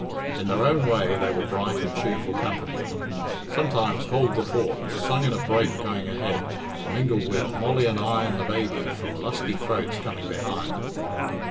In their own way they were bright and cheerful company. Sometimes "Hold the Fort," sung in a brake going ahead, mingled with "Molly and I and the Baby," from lusty throats coming behind.